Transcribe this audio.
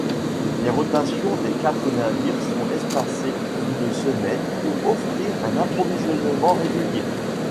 Les rotations des quatre navires sont espacées d'une semaine pour offrir un approvisionnement régulier.